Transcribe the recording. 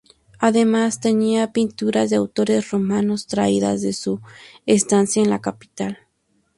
Además tenía pinturas de autores romanos, traídas de su estancia en la capital.